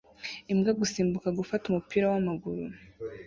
Imbwa gusimbuka gufata umupira wamaguru